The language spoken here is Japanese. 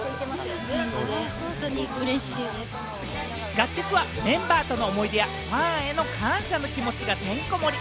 楽曲はメンバーとの思い出やファンへの感謝の気持ちがてんこ盛り。